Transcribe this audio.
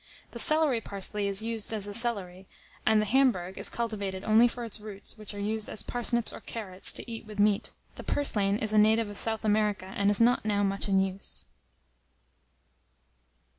The celery parsley is used as a celery, and the Hamburg is cultivated only for its roots, which are used as parsnips or carrots, to eat with meat. The purslane is a native of South America, and is not now much in use.